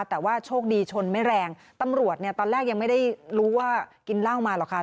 แต่ว่าโชคดีชนไม่แรงตำรวจเนี่ยตอนแรกยังไม่ได้รู้ว่ากินเหล้ามาหรอกค่ะ